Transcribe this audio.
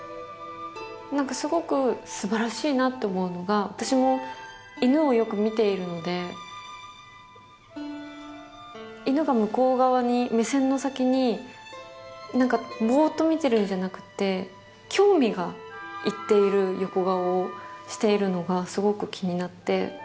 すごく素晴らしいなと思うのが私も犬をよく見ているので犬が向こう側に目線の先に何かぼうっと見てるんじゃなくて興味がいっている横顔をしているのがすごく気になって。